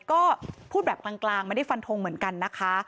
ก็พูดแบบกลางไม่ได้ฟันทงเหมือนกันนะคะ